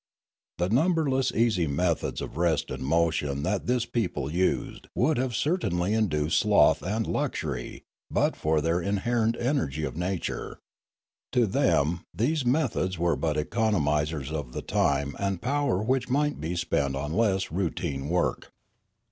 The numberless easy methods of rest and motion that this people used would have certainly induced sloth and luxury but for their in herent energy of nature. To them these methods were but economisers of the time and power which might be spent on less routine work.